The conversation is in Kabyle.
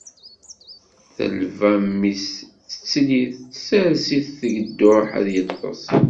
Telba mmi-s, tettel-it, tsers-it deg dduḥ ad yeṭṭes.